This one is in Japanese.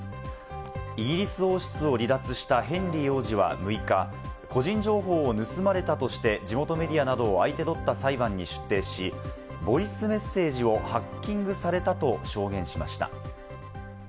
イギリス王室を離脱したヘンリー王子は６日、個人情報を盗まれたとして、地元メディアなどを相手取った裁判に出廷し、ボイスメッセージをハッキングされたと証言しました。